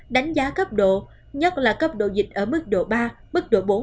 đánh giá cấp độ nhất là cấp độ dịch ở mức độ ba mức độ bốn